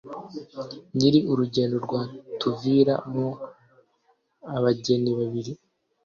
Nyiri urugendo rwatuvira mwo abageni babiri,